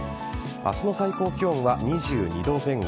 明日の最高気温は２２度前後。